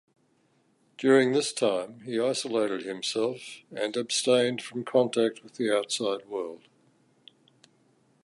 During this time, he isolated himself and abstained from contact with the outside world.